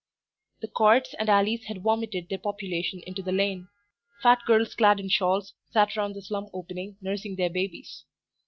The courts and alleys had vomited their population into the Lane. Fat girls clad in shawls sat around the slum opening nursing their babies.